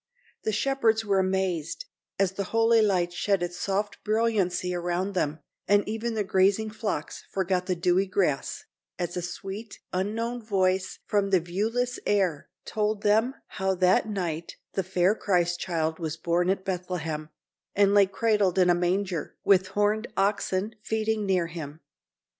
The shepherds were amazed, as the holy light shed its soft brilliancy around them, and even the grazing flocks forgot the dewy grass, as a sweet, unknown voice, from the viewless air, told them how that night the fair Christ child was born at Bethlehem, and lay cradled in a manger, with horned oxen feeding near him.